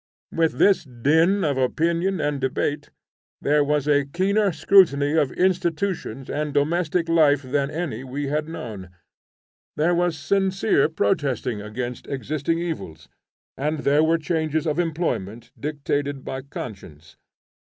With this din of opinion and debate there was a keener scrutiny of institutions and domestic life than any we had known; there was sincere protesting against existing evils, and there were changes of employment dictated by conscience.